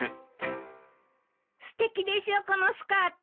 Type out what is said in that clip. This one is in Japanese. すてきでしょこのスカート。